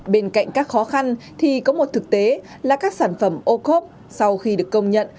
bên cạnh các khó khăn thì có một thực tế là các sản phẩm ô khốp sau khi được công nhận